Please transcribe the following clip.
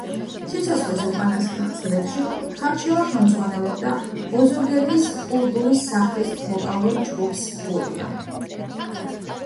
სიცოცხლის უკანასკნელ წლებში ქარჩავა ხელმძღვანელობდა ოზურგეთის კულტურის სახლის ვოკალურ ჯგუფს „გურია“.